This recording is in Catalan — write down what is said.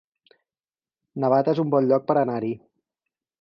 Navata es un bon lloc per anar-hi